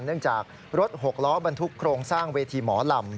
เนื่องจากรถหกล้อบรรทุกโครงสร้างเวทีหมอลำ